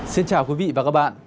xin chào quý vị và các bạn